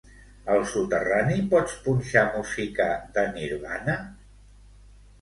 Al soterrani pots punxar música de Nirvana?